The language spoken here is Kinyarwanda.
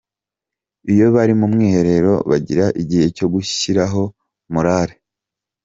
Iyo bari mu mwiherero bagira igihe cyo gushyiraho morale.